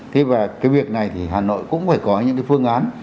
thế và cái việc này thì hà nội cũng phải có những cái phương án